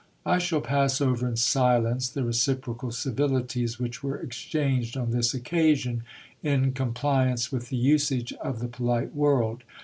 I shall pass over in silence the reciprocal civilities which were exchanged on this occasion, in compliance with the usage of the polite world.